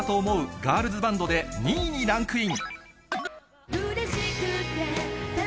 ガールズバンドで２位にランクイン。